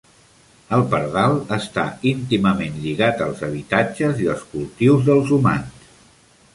El pardal està íntimament lligat als habitatges i els cultius dels humans.